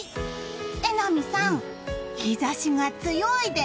榎並さん、日差しが強いです！